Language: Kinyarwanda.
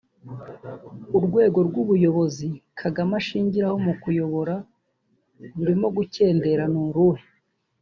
urwego rw’ubuyobozi Kagame ashingiraho mu kuyobora rurimo gukendera ni uruhe